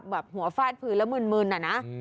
แบบหัวฟาดพื้นแล้วมึนอะนะ